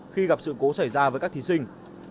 khi gặp sự cố xảy ra với các thí sinh